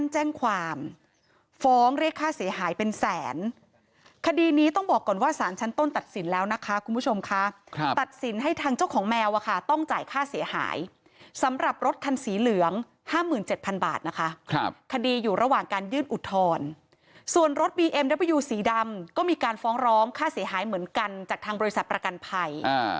แจ้งความฟ้องเรียกค่าเสียหายเป็นแสนคดีนี้ต้องบอกก่อนว่าสารชั้นต้นตัดสินแล้วนะคะคุณผู้ชมค่ะตัดสินให้ทางเจ้าของแมวอะค่ะต้องจ่ายค่าเสียหายสำหรับรถคันสีเหลือง๕๗๐๐บาทนะคะครับคดีอยู่ระหว่างการยื่นอุทธรณ์ส่วนรถบีเอ็มดับยูสีดำก็มีการฟ้องร้องค่าเสียหายเหมือนกันจากทางบริษัทประกันภัย